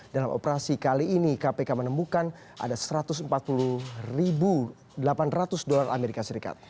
dalam operasi kali ini kpk menemukan ada satu ratus empat puluh delapan ratus dolar as